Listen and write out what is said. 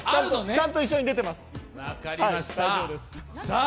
ちゃんと一緒に出てます、大丈夫です。